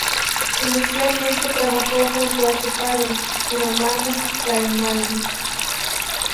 Inicialmente trabajó junto a su padre, Girolamo Rainaldi.